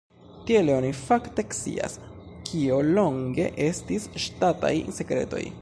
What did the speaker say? Tiele oni fakte ekscias, kio longe estis ŝtataj sekretoj.